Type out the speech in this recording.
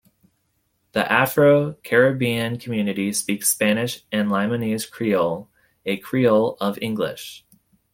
The Afro-Caribbean community speaks Spanish and Limonese Creole, a creole of English.